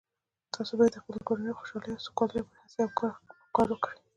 تاسو باید د خپلې کورنۍ د خوشحالۍ او سوکالۍ لپاره هڅې او کار وکړئ